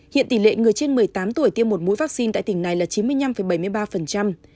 hiện tỷ lệ người trên một mươi tám tuổi tiêm một mũi vaccine tại tỉnh này là chín mươi năm bảy mươi ba